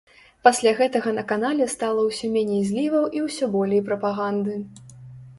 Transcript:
Пасля гэтага на канале стала ўсё меней зліваў і ўсё болей прапаганды.